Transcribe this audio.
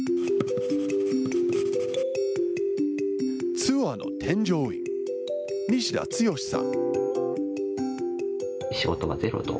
ツアーの添乗員、西田剛さん。